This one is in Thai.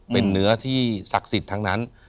เป็นเนื้อที่ศักดิ์สิทธิ์ทั้งนั้น